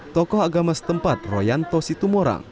tokoh agama setempat royanto situmorang